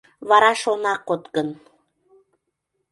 Вараш она код гын...